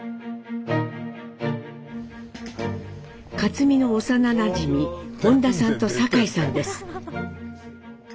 克実の幼なじみ本多さんと坂井さんです。